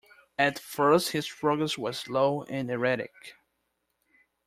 At first his progress was slow and erratic.